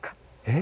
え？